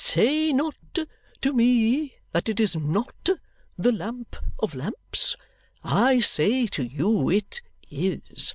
"Say not to me that it is NOT the lamp of lamps. I say to you it is.